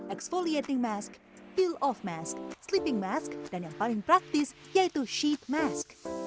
exfoliating mask peel off mask sleeping mask dan yang paling praktis yaitu sheet mask